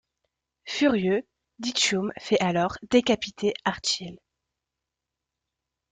Furieux, Dchidchoum fait alors décapiter Artchil.